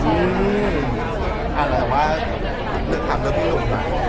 อ๋อหรือว่าถ้าถามกับพี่หรือไม่